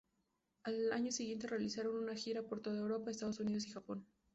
Al año siguiente, realizaron una gira por toda Europa, Estados Unidos y Japón.